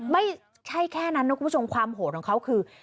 ไม่ใช่แค่นั้นนะคุณผู้ชมความโหดของเขาคือ